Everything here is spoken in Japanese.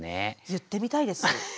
言ってみたいです。